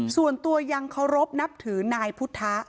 ส่วนตัวยังเคารพนับถือนายพุทธะ